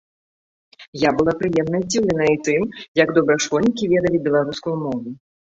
Я была прыемна здзіўленая і тым, як добра школьнікі ведалі беларускую мову.